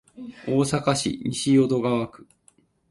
大阪市西淀川区